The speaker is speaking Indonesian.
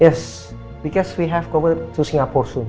ya karena kita akan datang ke singapura nanti